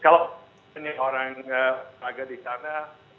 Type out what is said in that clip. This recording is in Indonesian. kalau ini orang laga di sana